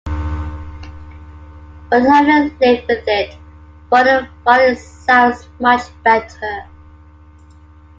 But having lived with it for a while it sounds much better.